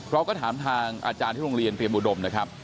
เราก็ถามทางอาจารย์ที่โรงเรียนเตรียมอุดมนะครับ